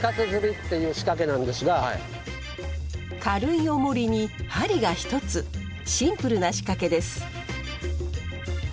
軽いオモリに針が１つシンプルな仕掛けです。